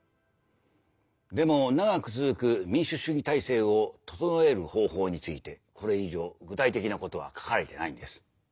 でも長く続く民主主義体制を整える方法についてこれ以上具体的なことは書かれてないんです。